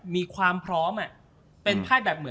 มีความพร้อม